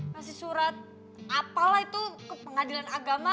ngasih surat apalah itu ke pengadilan agama